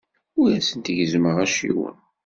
Ur asent-gezzmeɣ acciwen.